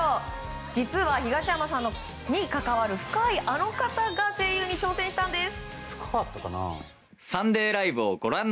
実は、東山さんに関わる深いあの方が声優に挑戦したんです。